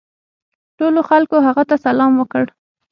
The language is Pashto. ټولو خلکو هغه ته سلام وکړ.